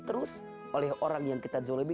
terus oleh orang yang kita zolimi